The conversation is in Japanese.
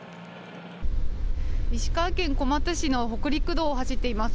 石川県小松市の北陸道を走っています。